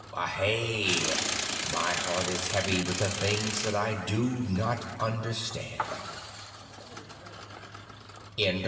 Ahae! My heart is heavy with the things that I do not understand.